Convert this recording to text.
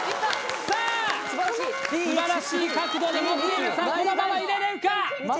さあ素晴らしい角度で持っているこのまま入れれるか？